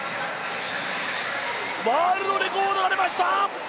ワールドレコードが出ました。